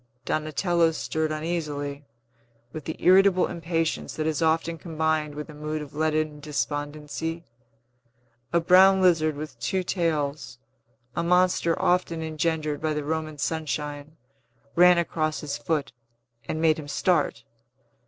Donatello stirred uneasily, with the irritable impatience that is often combined With a mood of leaden despondency. A brown lizard with two tails a monster often engendered by the Roman sunshine ran across his foot, and made him start.